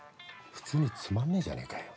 普通につまんねえじゃねえかよ。